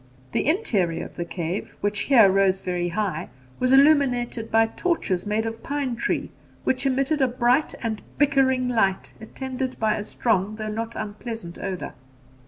The interior of the cave, which here rose very high, was illuminated by torches made of pine tree, which emitted a bright and bickering light, attended by a strong though not unpleasant odour.